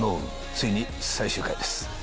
ついに最終回です。